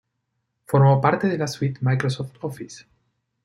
Formó parte de la suite Microsoft Office.